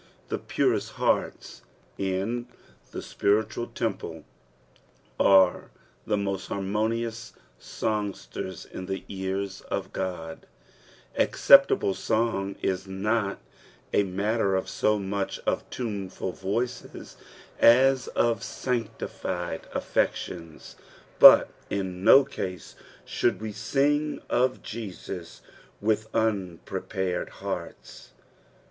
The purest hearts in the tpiritual temple are the mosl harmonious songsters in the ears qf Qod ; aceeptoiile song is not a matter so much of Ivnefid voices as of s<aKtijUd affertionB, birf in no oast should toe stnj; q/' .Jesus uiHh unprepared hearts.